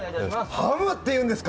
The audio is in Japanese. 「ハム」っていうんですか。